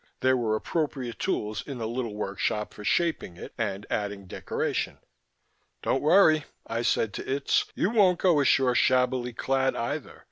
There were appropriate tools in the little workshop for shaping it and adding decoration. "Don't worry," I said to Itz. "You won't go ashore shabbily clad either.